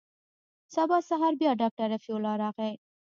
سبا سهار بيا ډاکتر رفيع الله راغى.